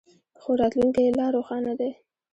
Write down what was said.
خو راتلونکی یې لا روښانه دی.